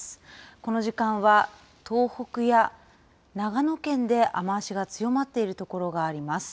この時間は、東北や長野県で雨足が強まっている所があります。